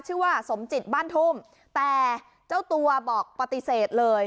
ชื่อว่าสมจิตบ้านทุ่มแต่เจ้าตัวบอกปฏิเสธเลย